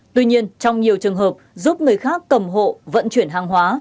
tuy nhiên trong nhiều trường hợp giúp người khác cầm hộ vận chuyển hàng hóa